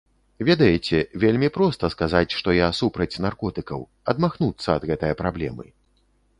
Ведаеце, вельмі проста сказаць, што я супраць наркотыкаў, адмахнуцца ад гэтае праблемы.